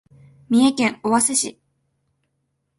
三重県尾鷲市